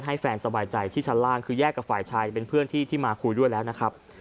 ให้แฟนสบายใจที่ชั้นล่างคือแยกกับฝ่ายชายเป็นเพื่อนที่มาคุยด้วยแล้วนะครับ